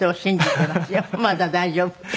まだ大丈夫。